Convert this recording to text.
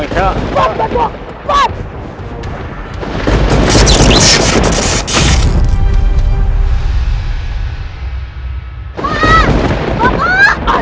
tolong ada gempa